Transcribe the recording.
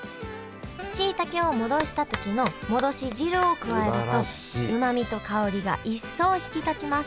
しいたけを戻した時の戻し汁を加えるとうまみと香りが一層引き立ちます